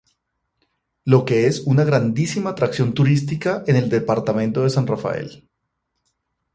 Lo que es una grandísima atracción turística en el departamento de San Rafael.